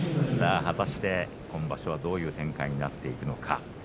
さあ果たして今場所はどういう展開になっていくのか。